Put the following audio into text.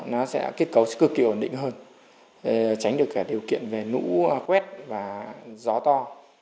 nó sẽ kết cấu cực kỳ ổn định hơn tránh được điều kiện về nũ quét và gió to